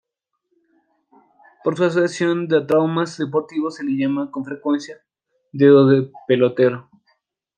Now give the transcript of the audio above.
Por su asociación a traumas deportivos se le llama con frecuencia "dedo de pelotero".